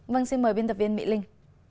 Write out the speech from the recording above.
vâng xin mời biên tập viên mỹ linh